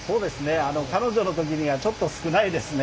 彼女の時にはちょっと少ないですね。